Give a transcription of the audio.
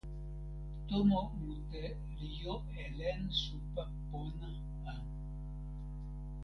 tomo mute li jo e len supa pona a.